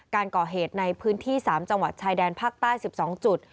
การก่อเหตุในพื้นที่๓จังหวัดชายแดนภาคใต้๑๒จุด